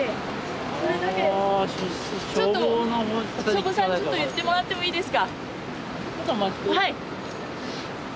消防さんにちょっと言ってもらってもいいですか。